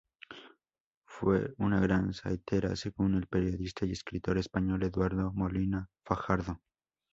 Fue una gran saetera según el periodista y escritor español Eduardo Molina Fajardo.